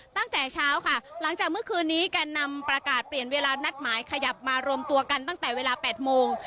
ตั้งแต่เช้าค่ะหลังจากเมื่อคืนนี้แก่นำประกาศเปลี่ยนเวลานัดหมายขยับมารวมตัวกันตั้งแต่เวลา๘โมง